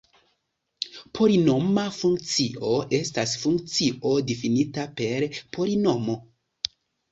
Polinoma funkcio estas funkcio difinita per polinomo.